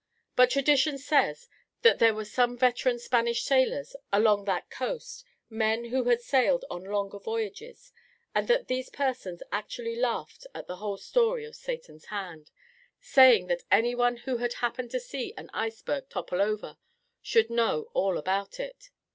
But tradition says that there were some veteran Spanish sailors along that coast, men who had sailed on longer voyages, and that these persons actually laughed at the whole story of Satan's Hand, saying that any one who had happened to see an iceberg topple over would know all about it.